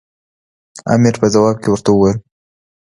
امیر په ځواب کې ورته وویل.